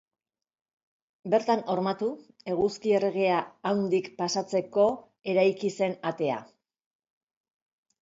Bertan hormatuta, Eguzki Erregea handik pasatzeko eraiki zen atea.